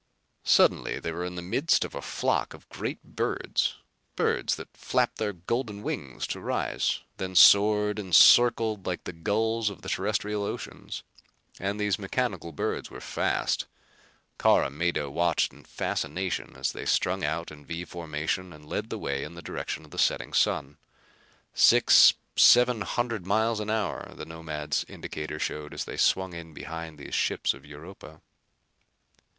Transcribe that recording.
Suddenly they were in the midst of a flock of great birds; birds that flapped their golden wings to rise, then soared and circled like the gulls of the terrestrial oceans. And these mechanical birds were fast. Carr and Mado watched in fascination as they strung out in V formation and led the way in the direction of the setting sun. Six, seven hundred miles an hour the Nomad's indicator showed, as they swung in behind these ships of Europa.